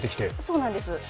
そうなんです。